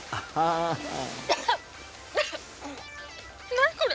「何これ？